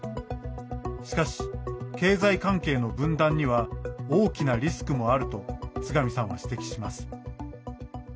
しかし、経済関係の分断には大きなリスクもあると津上さんは指摘します。